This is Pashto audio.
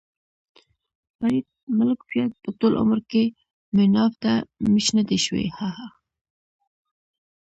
فرید ملک بیا به ټول عمر کې مېن اف ده مېچ ندی شوی.ههه